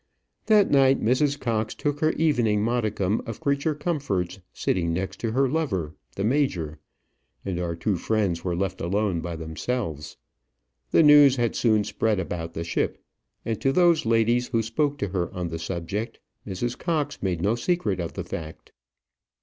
That night Mrs. Cox took her evening modicum of creature comforts sitting next to her lover, the major; and our two friends were left alone by themselves. The news had soon spread about the ship, and to those ladies who spoke to her on the subject, Mrs. Cox made no secret of the fact.